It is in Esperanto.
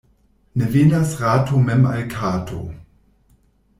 Ne venas rato mem al kato.